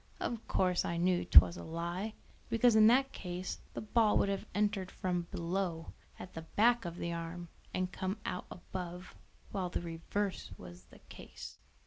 Of course I knew 'twas a lie, because in that case the ball would have entered from below, at the back of the arm, and come out above, while the reverse was the case."